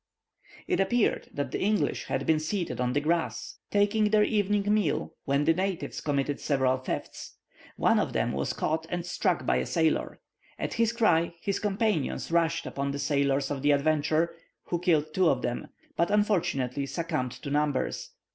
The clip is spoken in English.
It appeared that the English had been seated on the grass, taking their evening meal when the natives committed several thefts. One of them was caught and struck by a sailor. At his cry, his companions rushed upon the sailors of the Adventure, who killed two of them, but unfortunately succumbed to numbers.